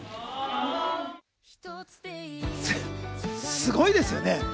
すごいですよね。